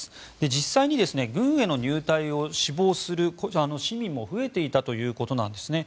実際に軍への入隊を志望する市民も増えていたということなんですね。